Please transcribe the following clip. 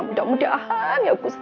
mudah mudahan ya gusti